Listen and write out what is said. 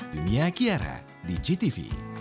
dunia kiara di jtv